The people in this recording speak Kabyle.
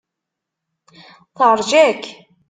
Teṛja-k.